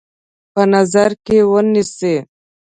په نظر کې ونیسي.